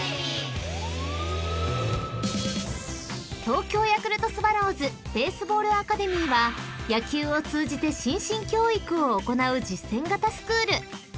［東京ヤクルトスワローズベースボールアカデミーは野球を通じて心身教育を行う実践型スクール］